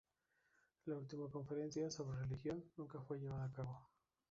La última conferencia, sobre religión, nunca fue llevada a cabo.